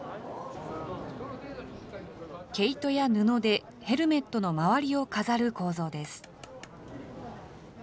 毛糸や布でヘルメットの周りを飾る構造です。